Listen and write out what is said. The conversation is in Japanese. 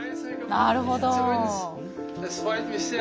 なるほど！